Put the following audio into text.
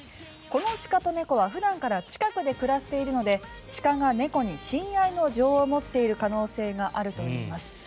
この鹿と猫は普段から近くで暮らしているので鹿が猫に親愛の情を持っている可能性があるといいます。